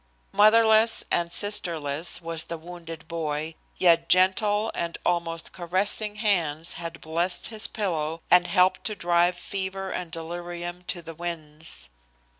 Motherless and sister less was the wounded boy, yet gentle and almost caressing hands had blessed his pillow and helped to drive fever and delirium to the winds.